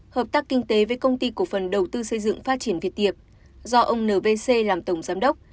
hợp tác kinh tế với công ty cổ phần đầu tư xây dựng phát triển việt tiệp do ông n v c làm tổng giám đốc